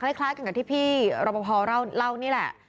คล้ายกันกับที่พี่รบพอเล่านี่แหละ